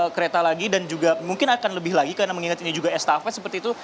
kereta lagi dan juga mungkin akan lebih lagi karena mengingat ini juga estafet seperti itu